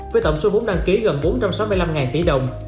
với tổng số vốn đăng ký gần bốn trăm sáu mươi năm tỷ đồng